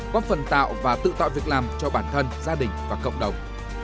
có phần tạo và tự tạo việc làm cho bản thân gia đình và cộng đồng